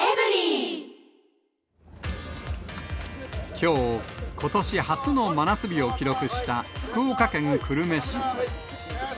きょう、ことし初の真夏日を記録した福岡県久留米市。